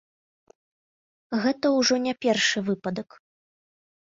Гэта ўжо не першы выпадак.